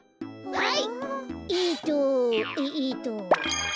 はい。